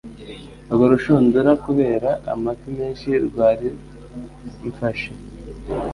urwo rushundura kubera amafi menshi rwari mfashe."